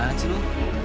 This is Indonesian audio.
gue hantar ya